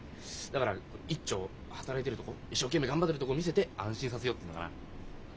だから一丁働いてるとこ一生懸命頑張ってるとこ見せて安心させようっていうのかな。